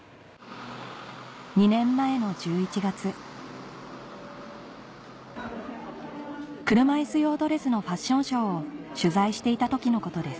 ２年前の１１月車いす用ドレスのファッションショーを取材していた時のことです